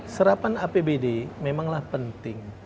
serapan apbd memanglah penting